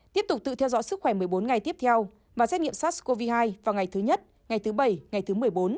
tiếp tục tự theo dõi sức khỏe một mươi bốn ngày tiếp theo và xét nghiệm sars cov hai vào ngày thứ nhất ngày thứ bảy ngày thứ một mươi bốn